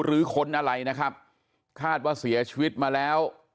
หรือค้นอะไรนะครับคาดว่าเสียชีวิตมาแล้ว